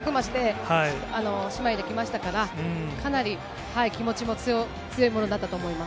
ずっと切さたく磨して、姉妹できましたから、かなり、気持ちも強いものだったと思います。